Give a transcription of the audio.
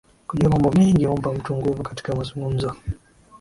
Kujua mambo mengi humpa mtu nguvu katika mazungumzo.